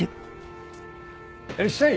いらっしゃい！